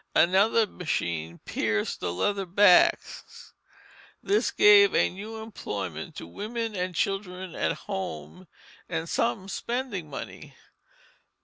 Another machine pierced the leather backs. This gave a new employment to women and children at home and some spending money.